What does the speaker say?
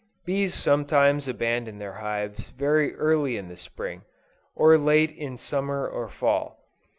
Bees sometimes abandon their hives very early in the Spring, or late in Summer or Fall.